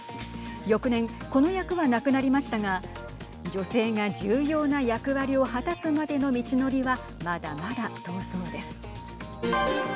翌年、この役はなくなりましたが女性が重要な役割を果たすまでの道のりはまだまだ遠そうです。